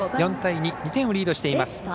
４対２、２点をリードしています。